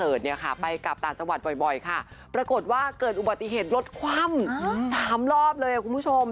โทรคอนเซิร์ตเนี่ยค่ะไปกลับตราจังหวัดบ่อยค่ะปรากฏว่าเกิดอุบัติเหตุลดความ๓รอบเลยคุณผู้ชม